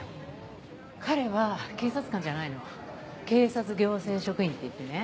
彼は警察官じゃないの警察行政職員っていってね。